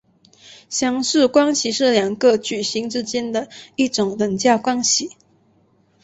相似关系是两个矩阵之间的一种等价关系。